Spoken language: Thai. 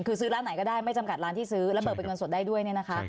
คือซื้อร้านไหนก็ได้ไม่จำกัดร้านที่ซื้อและเปิดเป็นเงินสดได้ด้วย